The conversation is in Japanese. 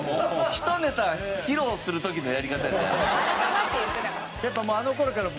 １ネタ披露する時のやり方やであれ。